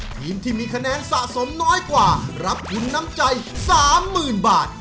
ทีมที่มีคะแนนสะสมน้อยกว่ารับคุณน้ำใจสามหมื่นบาท